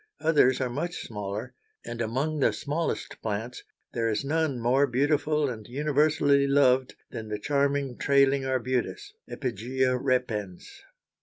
Others are much smaller, and among the smallest plants, there is none more beautiful and universally loved than the charming trailing arbutus (Epigæa repens).